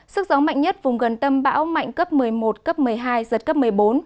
sức gió mạnh nhất vùng gần tâm bão mạnh cấp một mươi một cấp một mươi hai giật cấp một mươi bốn